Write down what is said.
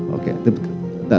oke datang dong